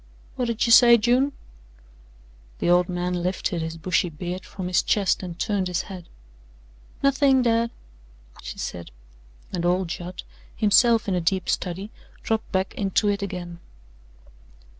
"Whut'd you say, June?" The old man lifted his bushy beard from his chest and turned his head. "Nothin', dad," she said, and old Judd, himself in a deep study, dropped back into it again.